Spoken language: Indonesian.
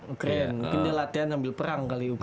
ukraine mungkin dia latihan sambil perang kali ukraine